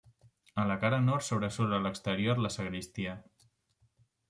A la cara nord sobresurt a l'exterior la sagristia.